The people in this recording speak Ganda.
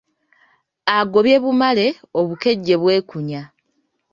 Agobye bumale, obukejje bwekunya.